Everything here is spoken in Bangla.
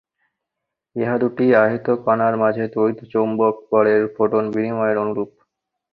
ইহা দুটি আহিত কণার মাঝে তড়িৎ-চৌম্বক বলের ফোটন বিনিময়ের অনুরূপ।